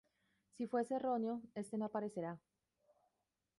Si fuese erróneo, este no aparecerá.